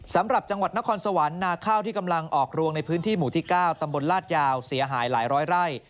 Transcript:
สำหรับจังหวัดนครสวรรค์นาข้าวที่กำลังออกรวงในพื้นที่หมู่ที่๙ตำบลลาดยาวเสียหายหลายร้อยไร่